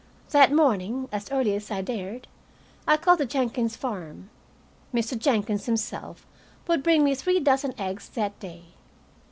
That morning, as early as I dared, I called the Jenkins farm. Mr. Jenkins himself would bring me three dozen eggs that day.